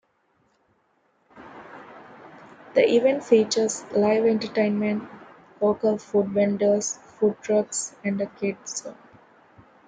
The event features live entertainment, local food vendors, food trucks and a kid's zone.